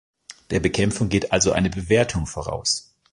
Der Bekämpfung geht also eine Bewertung voraus.